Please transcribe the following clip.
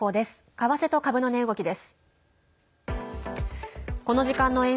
為替と株の値動きです。